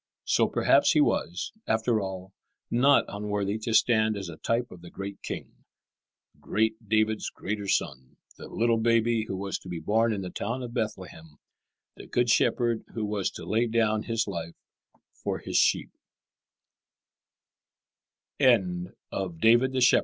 So perhaps he was, after all, not unworthy to stand as a type of the great King, "great David's greater Son," the little Baby who was to be born in the town of Bethlehem, the Good Shepherd who was to lay down His life for His sheep.